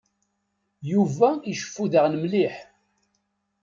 Yuba iceffu daɣen mliḥ.